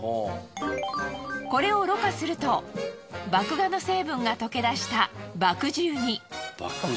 これをろ過すると麦芽の成分が溶けだした麦汁に。